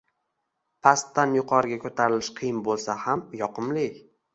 Pastdan yuqoriga ko‘tarilish qiyin bo‘lsa ham yoqimli.